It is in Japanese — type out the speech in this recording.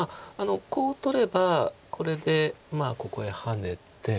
こう取ればこれでここへハネて。